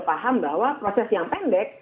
paham bahwa proses yang pendek